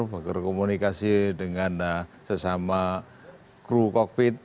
berkomunikasi dengan sesama kru kokpit